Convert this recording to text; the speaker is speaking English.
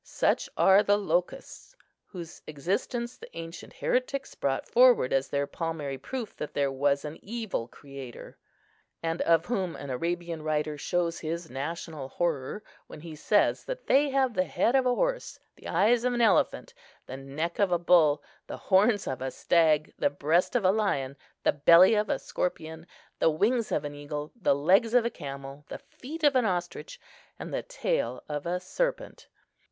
Such are the locusts,—whose existence the ancient heretics brought forward as their palmary proof that there was an evil creator, and of whom an Arabian writer shows his national horror, when he says that they have the head of a horse, the eyes of an elephant, the neck of a bull, the horns of a stag, the breast of a lion, the belly of a scorpion, the wings of an eagle, the legs of a camel, the feet of an ostrich, and the tail of a serpent.